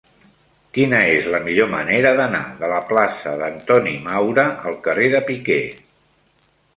Quina és la millor manera d'anar de la plaça d'Antoni Maura al carrer de Piquer?